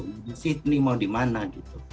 di sydney mau di mana gitu